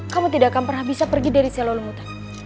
kamu tidak akan pernah bisa pergi dari selalu muta